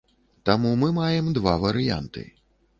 Таму мы маем два варыянты.